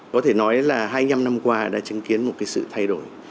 có thể nói là hai mươi năm năm qua đã chứng kiến một sự thay đổi